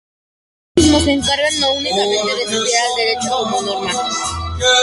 Asimismo, se encarga no únicamente de estudiar al derecho como norma.